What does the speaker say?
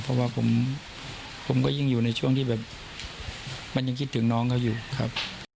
เพราะว่าผมก็ยิ่งอยู่ในช่วงที่แบบมันยังคิดถึงน้องเขาอยู่ครับ